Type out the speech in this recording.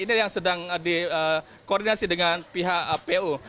ini yang sedang dikoordinasi dengan pihak apu